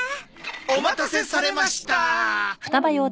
お待たせされました。